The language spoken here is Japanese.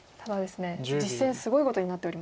実戦すごいことになっております。